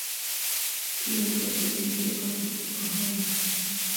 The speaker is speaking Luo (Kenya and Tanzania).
Pi oketho gige od ohala